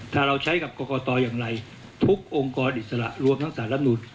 ถ้าเราใช้กับกรกตอย่างไรทุกองค์กรอิสระรวมทั้งสารรับนูน